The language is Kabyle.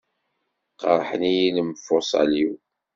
Qerrḥen-iyi lemfuṣal-iw.